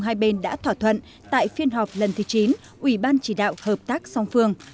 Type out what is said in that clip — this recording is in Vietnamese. hai bên đã thỏa thuận tại phiên họp lần thứ chín ủy ban chỉ đạo hợp tác song phương